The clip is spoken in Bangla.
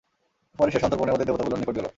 পরে সে সন্তর্পণে ওদের দেবতাগুলোর নিকট গেল।